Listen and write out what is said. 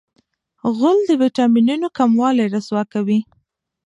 غول د وېټامینونو کموالی رسوا کوي.